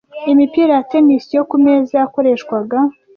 Imipira ya tennis yo kumeza yakoreshwaga